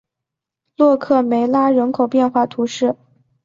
洛克梅拉人口变化图示